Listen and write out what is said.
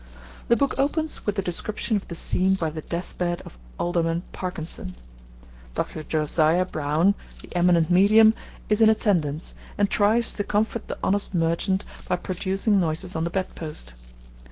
The book opens with a description of the scene by the death bed of Alderman Parkinson. Dr. Josiah Brown, the eminent medium, is in attendance and tries to comfort the honest merchant by producing noises on the bedpost.